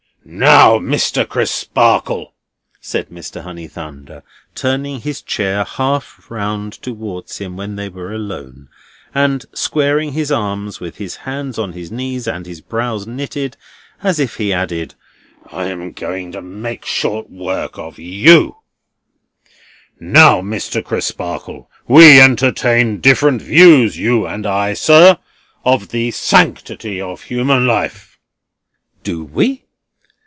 "Now, Mr. Crisparkle," said Mr. Honeythunder, turning his chair half round towards him when they were alone, and squaring his arms with his hands on his knees, and his brows knitted, as if he added, I am going to make short work of you: "Now, Mr. Crisparkle, we entertain different views, you and I, sir, of the sanctity of human life." "Do we?"